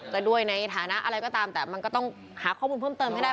จะด้วยในฐานะอะไรก็ตามแต่มันก็ต้องหาข้อมูลเพิ่มเติมให้ได้